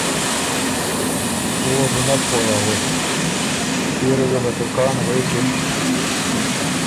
او وه بو نک پویٛ اغوک۔ ݭيې ریوزه له که کان غوېکِن